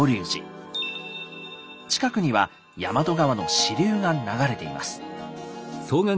近くには大和川の支流が流れています。